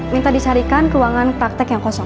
minta disarikan ruangan praktek yang kosong